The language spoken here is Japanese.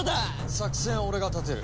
作戦は俺が立てる。